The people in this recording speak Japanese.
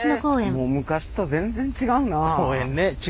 もう昔と全然違うなあ。